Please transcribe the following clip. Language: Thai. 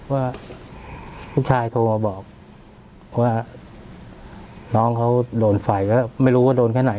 ว่าลูกชายโทรมาบอกว่าน้องเขาโดนไฟก็ไม่รู้ว่าโดนแค่ไหน